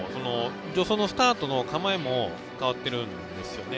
助走のスタートの構えも変わっているんですよね。